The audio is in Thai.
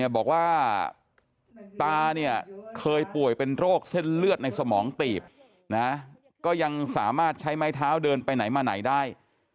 บอกว่าตาเนี่ยเคยป่วยเป็นโรคเส้นเลือดในสมองตีบก็ยังสามารถใช้ไม้เท้าเดินไปไหนมาไหนได้